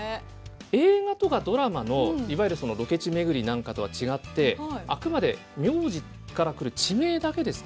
映画とかドラマのいわゆるそのロケ地めぐりなんかとは違ってあくまで名字からくる地名だけですからね